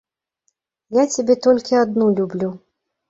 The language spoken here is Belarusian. Я цябе толькі адну люблю.